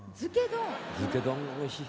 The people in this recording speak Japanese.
づけ丼がおいしい。